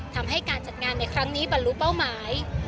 ทำให้การจัดงานในครั้งนี้บรรลุเป้าหมาย